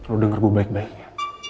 lo denger gue baik baiknya